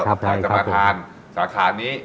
ใครจะมาทานสาขานี้